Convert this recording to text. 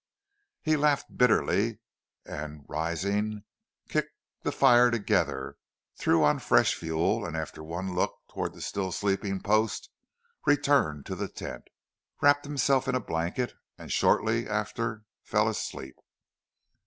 He laughed bitterly, and rising kicked the fire together, threw on fresh fuel, and after one look towards the still sleeping Post, returned to the tent, wrapped himself in a blanket, and shortly after fell asleep.